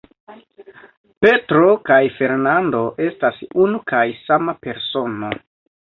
Petro kaj Fernando estas unu kaj sama persono.